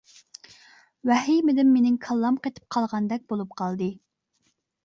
ۋەھىمىدىن مېنىڭ كاللام قېتىپ قالغاندەك بولۇپ قالدى.